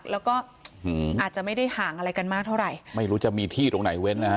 แล้วก็อาจจะไม่ได้ห่างอะไรกันมากเท่าไหร่ไม่รู้จะมีที่ตรงไหนเว้นนะฮะ